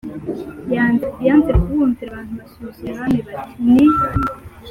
yanze kubumvira abantu basubiza umwami bati Ni